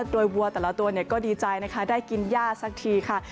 โดยวัวแต่ละตัวก็ดีใจนะคะได้กินย่าสักทีค่ะ